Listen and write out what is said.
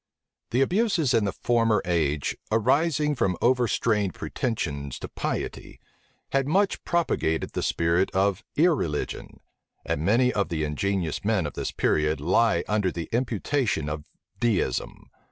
The abuses in the former age, arising from overstrained pretensions to piety, had much propagated the spirit of irreligion; and many of the ingenious men of this period lie under the imputation of Deism.